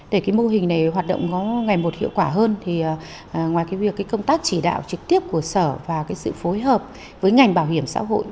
để cái mô hình này hoạt động có ngày một hiệu quả hơn thì ngoài cái việc cái công tác chỉ đạo trực tiếp của sở và cái sự phối hợp với ngành bảo hiểm xã hội